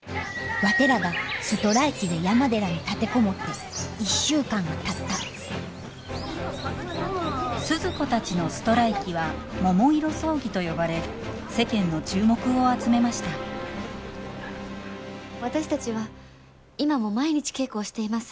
ワテらがストライキで山寺に立て籠もって１週間がたったスズ子たちのストライキは桃色争議と呼ばれ世間の注目を集めました私たちは今も毎日稽古をしています。